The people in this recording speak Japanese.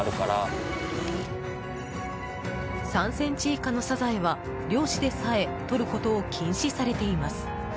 ３ｃｍ以下のサザエは漁師でさえとることを禁止されています。